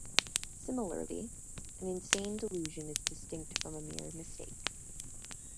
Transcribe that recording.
Similarly, an insane delusion is distinct from a mere mistake.